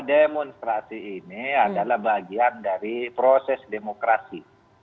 demonstrasi ini adalah bagian dari proses demokrasi